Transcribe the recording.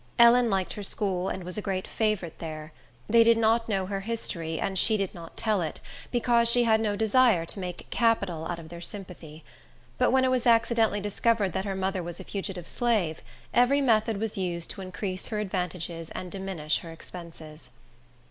Ellen liked her school, and was a great favorite there. They did not know her history, and she did not tell it, because she had no desire to make capital out of their sympathy. But when it was accidentally discovered that her mother was a fugitive slave, every method was used to increase her advantages and diminish her expenses.